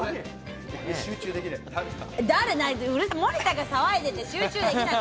森田が騒いでて集中できない。